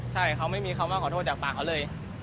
ใช่เขาไม่มีคำว่าขอโทษจากปากเขาเลย